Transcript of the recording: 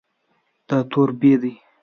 دا توری "ب" دی.